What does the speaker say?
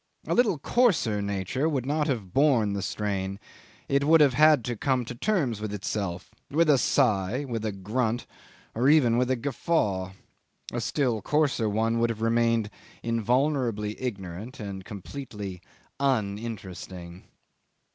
A little coarser nature would not have borne the strain; it would have had to come to terms with itself with a sigh, with a grunt, or even with a guffaw; a still coarser one would have remained invulnerably ignorant and completely uninteresting.